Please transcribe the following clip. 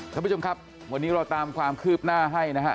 ท่านผู้ชมครับวันนี้เราตามความคืบหน้าให้นะฮะ